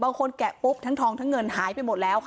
แกะปุ๊บทั้งทองทั้งเงินหายไปหมดแล้วค่ะ